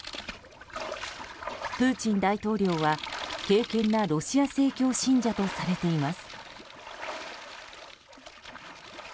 プーチン大統領は、敬虔なロシア正教信者とされています。